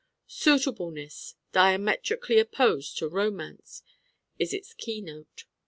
Suitableness, diametrically opposed to Romance, is its keynote.